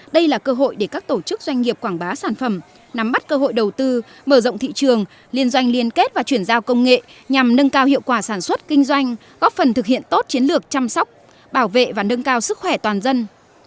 đây là cơ hội để các tổ chức doanh nghiệp quảng bá sản phẩm nắm bắt cơ hội đầu tư mở rộng thị trường liên doanh liên kết và chuyển giao công nghệ nhằm nâng cao hiệu quả sản xuất kinh doanh góp phần thực hiện tốt chiến lược chăm sóc bảo vệ và nâng cao sức khỏe toàn dân